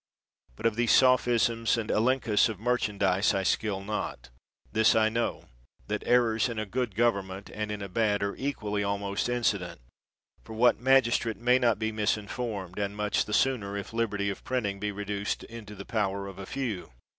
But of these sophisms and elenchus of merchan dise I skill not. This I know, that errors in a good government and in a bad are equally almost 115 THE WORLD'S FAMOUS ORATIONS incident ; for what magistrate may not be misin formed, and much the sooner, if liberty of printing be reduced into the power of a few?